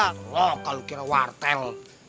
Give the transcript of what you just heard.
loh kalau kira wartel